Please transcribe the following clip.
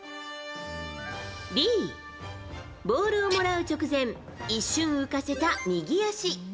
Ｂ、ボールをもらう直前一瞬浮かせた右足。